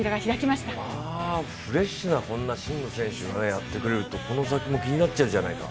まあフレッシュな真野選手がやってくれるとこの先も気になっちゃうじゃないか。